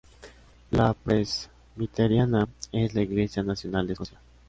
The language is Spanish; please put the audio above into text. La presbiteriana, es la iglesia nacional de Escocia.